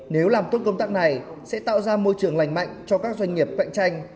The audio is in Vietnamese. nếu làm tốt công tác này sẽ tạo ra môi trường lành mạnh cho các doanh nghiệp cạnh tranh